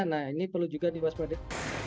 nah ini perlu juga diwaspada